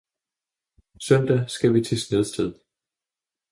Søndag skal vi til Snedsted